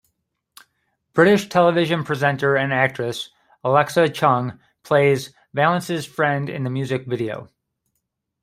British television presenter and actress Alexa Chung plays Valance's friend in the music video.